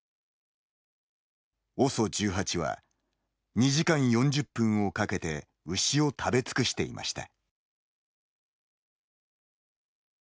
ＯＳＯ１８は２時間４０分をかけて牛を食べ尽くしていました。